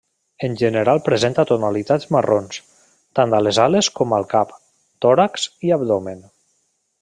En general presenta tonalitats marrons, tant a les ales com al cap, tòrax i abdomen.